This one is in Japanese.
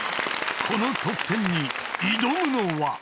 ［この得点に挑むのは］